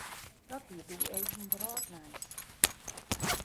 Dat wie doe even wrâldnijs.